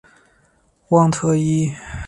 旺特伊。